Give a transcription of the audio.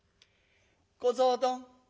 「小僧どん。